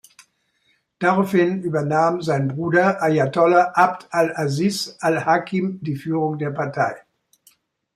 Daraufhin übernahm sein Bruder Ajatollah Abd al-Aziz al-Hakim die Führung der Partei.